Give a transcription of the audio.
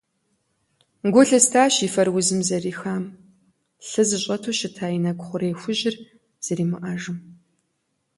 Гу лъыстащ и фэр узым зэрырихам, лъы зыщӀэту щыта и нэкӀу хъурей хужьыр зэримыӀэжым.